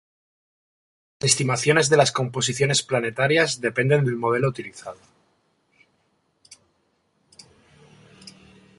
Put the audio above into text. Las estimaciones de las composiciones planetarias dependen del modelo utilizado.